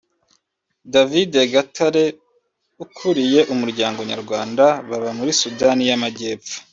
David Gatare ukuriye umuryango Nyarwanda baba muri Sudan y’Amajyepfo